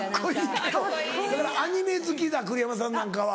だからアニメ好きだ栗山さんなんかは。